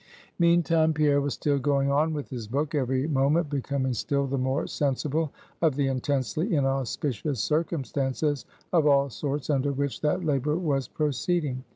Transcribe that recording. Meantime Pierre was still going on with his book; every moment becoming still the more sensible of the intensely inauspicious circumstances of all sorts under which that labor was proceeding.